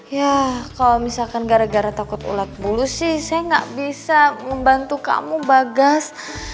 ya kalau misalkan gara gara takut ulat bulu sih saya nggak bisa membantu kamu bagas